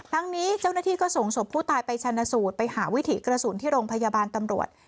ทั้งนี้เจ้าหน้าที่ก็ส่งศพผู้ตายไปชนะสูตรไปหาวิถีกระสุนที่โรงพยาบาลตำรวจ